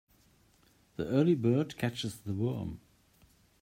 The early bird catches the worm.